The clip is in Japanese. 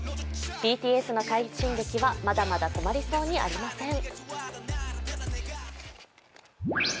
ＢＴＳの快進撃は、まだまだ止まりそうにありません。